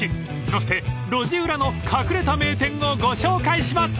［そして路地裏の隠れた名店をご紹介します！］